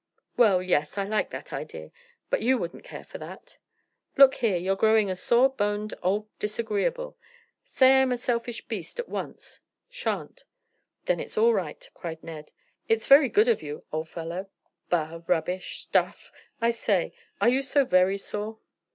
"Well yes! I like that idea; but you wouldn't care for that." "Look here, you're growing a sore boned, old disagreeable. Say I'm a selfish beast at once." "Shan't!" "Then it's all right," cried Ned. "It's very good of you, old fellow." "Bah! Rubbish! Stuff! I say, are you so very sore?"